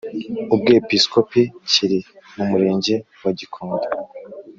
Ubwepiskopi kiri mu Murenge wa Gikondo